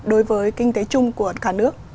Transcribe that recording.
đối với kinh tế chung của cả nước